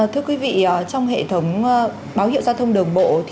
thưa quý vị trong hệ thống báo hiệu giao thông đường bộ